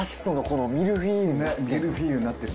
だしとミルフィーユになってる。